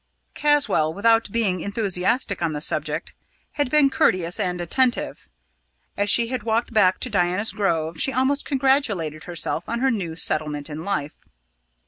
Caswall, without being enthusiastic on the subject, had been courteous and attentive; as she had walked back to Diana's Grove, she almost congratulated herself on her new settlement in life.